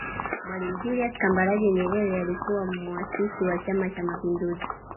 Mwalimu Julius Kambarage Nyerere alikuwa Muasisi wa Chama Cha Mapinduzi